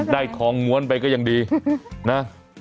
ทองม้วนไปก็ยังดีนะ